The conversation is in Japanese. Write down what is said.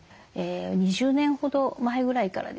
２０年ほど前ぐらいからですね